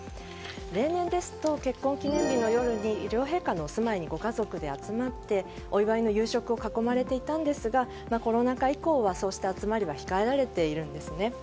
例年ですと、結婚記念日の夜に両陛下のお住まいにご家族で集まってお祝いの夕食を囲まれていたんですがコロナ禍以降はそうした集まりは控えられているんですね。